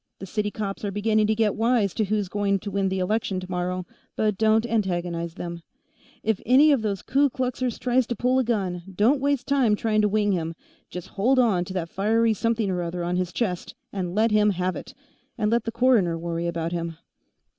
The city cops are beginning to get wise to who's going to win the election, tomorrow, but don't antagonize them. But if any of those Ku Kluxers tries to pull a gun, don't waste time trying to wing him. Just hold on to that fiery something or other on his chest and let him have it, and let the coroner worry about him."